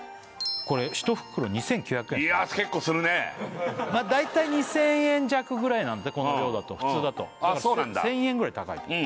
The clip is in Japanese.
これ１袋２９００円いや結構するね大体２０００円弱ぐらいなんでこの量だと普通だとだから１０００円ぐらい高い